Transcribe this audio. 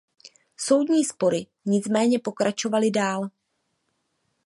Soudní spory nicméně pokračovaly dál.